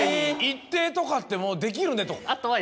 「一定とかってもうできるね」と。